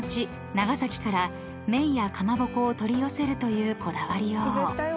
長崎から麺やかまぼこを取り寄せるというこだわりよう］